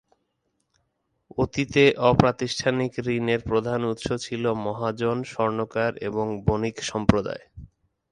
অতীতে অপ্রাতিষ্ঠানিক ঋণের প্রধান উৎস ছিল মহাজন, স্বর্ণকার এবং বণিক সম্প্রদায়।